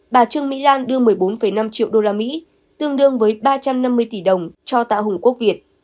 bà trương mỹ lan đưa một mươi bốn năm triệu đô la mỹ tương đương với ba trăm năm mươi tỷ đồng cho tạ hùng quốc việt